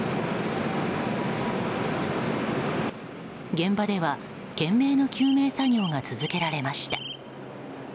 現場では、懸命の救命作業が続けられました。